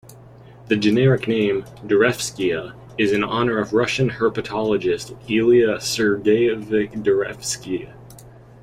The generic name, "Darevskia", is in honor of Russian herpetologist Ilya Sergeyevich Darevsky.